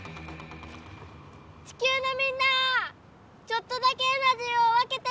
地球のみんなちょっとだけエナジーを分けてくれ！